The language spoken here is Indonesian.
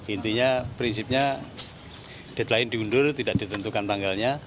intinya prinsipnya deadline diundur tidak ditentukan tanggalnya